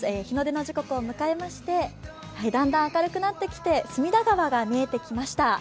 日の出の時刻を迎えましてだんだん明るくなってきて隅田川が見えてきました。